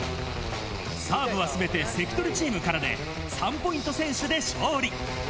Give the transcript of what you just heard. サーブはすべて関取チームからで、３ポイント先取で勝利。